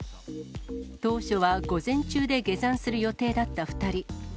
当初は午前中で下山する予定だった２人。